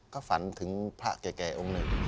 ก็ฝันถึงพระแก่องค์หนึ่ง